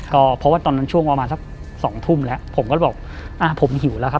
ก็เพราะว่าตอนนั้นช่วงประมาณสักสองทุ่มแล้วผมก็บอกอ่าผมหิวแล้วครับ